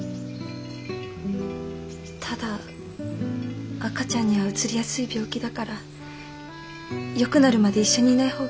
ただ赤ちゃんにはうつりやすい病気だからよくなるまで一緒にいない方がいいって。